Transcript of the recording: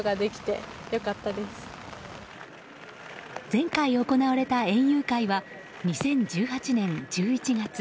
前回行われた園遊会は２０１８年１１月。